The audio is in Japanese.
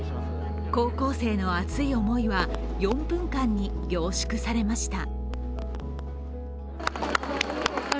高校生の熱い思いは４分間に凝縮されました。